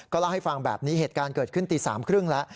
เล่าให้ฟังแบบนี้เหตุการณ์เกิดขึ้นตี๓๓๐แล้ว